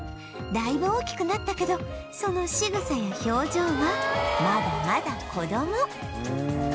だいぶ大きくなったけどそのしぐさや表情はまだまだ子供